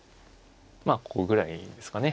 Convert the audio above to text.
まあここぐらいですかね。